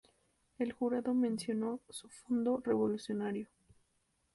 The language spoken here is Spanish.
El jurado mencionó su "fondo revolucionario".